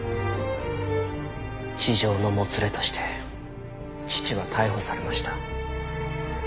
痴情のもつれとして父は逮捕されました。